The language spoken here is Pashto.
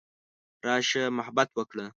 راشه محبت وکړه.